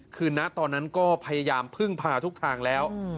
คือณตอนนั้นก็พยายามพึ่งพาทุกทางแล้ว